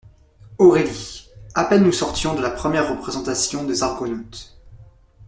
Aurélie. — A peine nous sortions … de la première représentation des Argonautes …